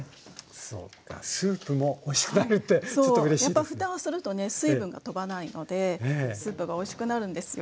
やっぱ蓋をするとね水分がとばないのでスープがおいしくなるんですよ。